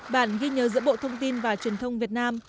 bản ghi nhớ giữa bộ thông tin và truyền thông việt nam